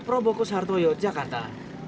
probokus hartoyo jakarta